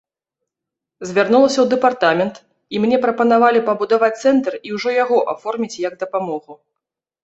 Звярнулася ў дэпартамент, і мне прапанавалі пабудаваць цэнтр і ўжо яго аформіць як дапамогу.